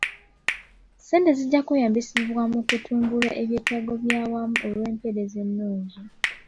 Ssente zijja kweyambisibwa mu kutumbula ebyetaago ebyawamu olw'empeereza ennungi.